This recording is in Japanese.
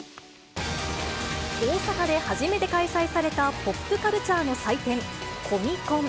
大阪で初めて開催されたポップカルチャーの祭典、コミコン。